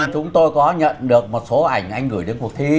chúng tôi có nhận được một số ảnh anh gửi đến cuộc thi